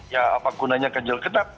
ya apa gunanya ganjil genap